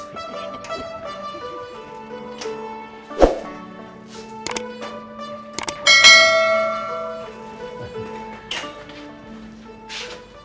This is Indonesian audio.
jangan lupa subscribe channel ini